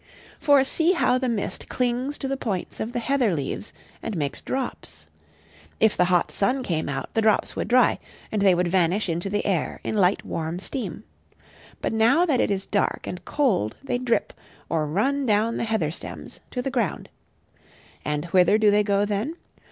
For see how the mist clings to the points of the heather leaves, and makes drops. If the hot sun came out the drops would dry, and they would vanish into the air in light warm steam. But now that it is dark and cold they drip, or run down the heather stems, to the ground. And whither do they go then?